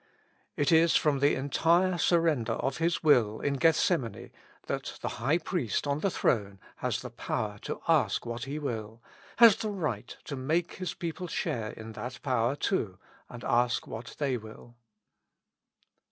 It is from the entire surrender of His will in Gethsemane that the High Priest on the throne has the power to ask what He will, has the right to make 226 With Christ in the School of Prayer. "His people share in that power too, and ask what they will.